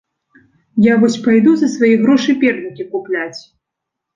Я вось пайду за свае грошы пернікі купляць.